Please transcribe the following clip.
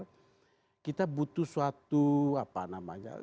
saya juga berharap bisa melihat keadaan di dpr